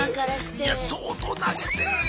いや相当投げてるよ